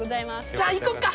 じゃあ行こうか。